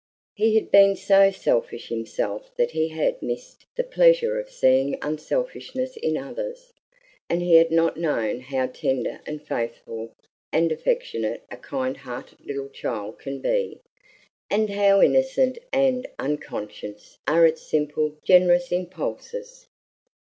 He had been so selfish himself that he had missed the pleasure of seeing unselfishness in others, and he had not known how tender and faithful and affectionate a kind hearted little child can be, and how innocent and unconscious are its simple, generous impulses.